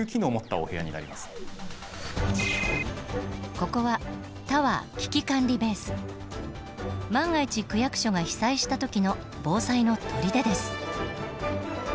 ここは万が一区役所が被災した時の防災の砦です。